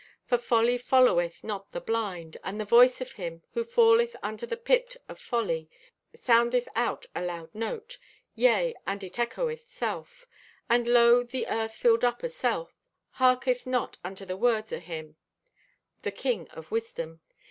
For Folly followeth not the blind, and the voice of him who falleth unto the pit of Folly soundeth out a loud note. Yea, and it echoeth 'self.' "And lo, the Earth filled up o' self, hearketh not unto the words of Him, the King of Wisdom.